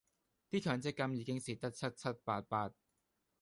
啲強積金已經蝕得七七八八